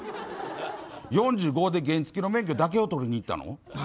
４５で原付きの免許だけをとりにいったの？